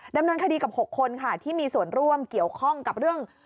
ดำเนินคดีกับ๖คนค่ะที่มีส่วนร่วมเกี่ยวข้องกับเรื่อง